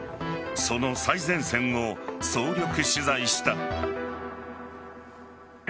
その最前線を総力取材した。